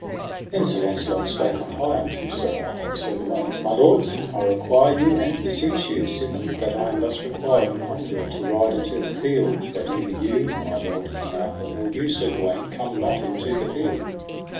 Then Sir Launcelot spake on high unto Sir Arthur and Sir Gawaine: My lords, I require you and beseech you, sithen that I am thus required and conjured to ride into the field, that neither you, my lord King Arthur, nor you Sir Gawaine, come not into the field.